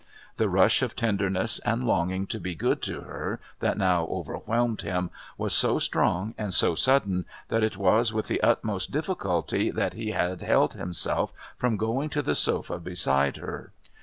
The rush of tenderness and longing to be good to her that now overwhelmed him was so strong and so sudden that it was with the utmost difficulty that he had held himself from going to the sofa beside her.